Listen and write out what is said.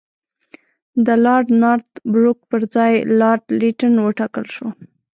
د لارډ نارت بروک پر ځای لارډ لیټن وټاکل شو.